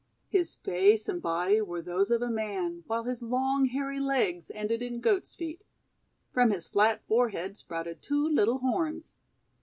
His face and body were those of a man, while his long hairy legs ended in Goat's feet. From his flat forehead sprouted two little horns.